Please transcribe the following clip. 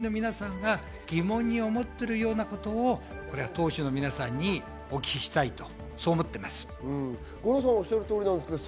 できるだけ国民の皆さんが疑問に思っているようなことを党首の皆さんにお聞きしたいとそう思っています。